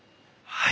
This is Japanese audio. はい。